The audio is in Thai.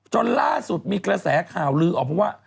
จนล่าสุดมีกระแสข่าวลือออกมาว่า